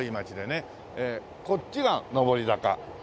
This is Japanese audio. こっちが上り坂。